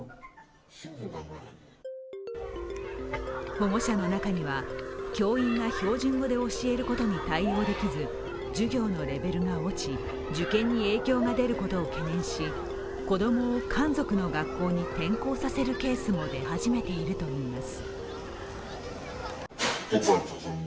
保護者の中には、教員が標準語で教えることに対応できず、授業のレベルが落ち、受験に影響が出ることを懸念し子供を漢族の学校に転校させるケースも出始めているといいます。